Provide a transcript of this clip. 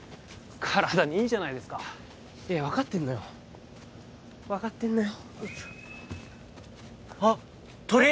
体にいいじゃないですかいや分かってんのよ分かってんのよあっ鳥！